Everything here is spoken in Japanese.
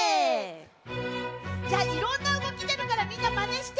じゃあいろんなうごきでるからみんなマネして。